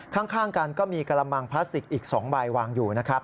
ข้างกันก็มีกระมังพลาสติกอีก๒ใบวางอยู่นะครับ